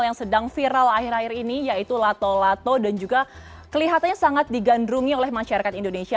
yang sedang viral akhir akhir ini yaitu lato lato dan juga kelihatannya sangat digandrungi oleh masyarakat indonesia